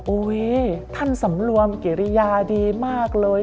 โอ้เว้ยท่านสำรวมเกรียดีมากเลย